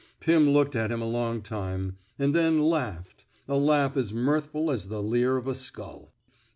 Pim looked at him a long time, and then laughed — a laugh as mirthful as the leer of a skull.